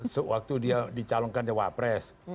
sewaktu dia dicalonkan cawapres